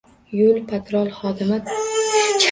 Yo`l patrul xodimi to`xtash ishorasini qildi